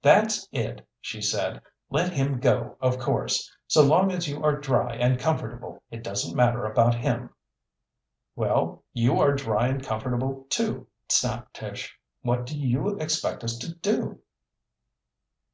"That's it," she said. "Let him go, of course. So long as you are dry and comfortable it doesn't matter about him." "Well, you are dry and comfortable too," snapped Tish. "What do you expect us to do?"